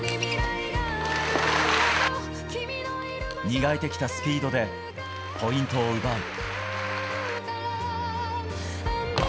磨いてきたスピードでポイントを奪う。